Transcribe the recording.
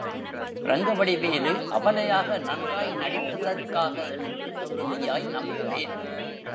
ரங்கவடி வேலு அபலையாக நன்றாய் நடித்ததற்காக என்று உறுதியாய் நம்புகிறேன்.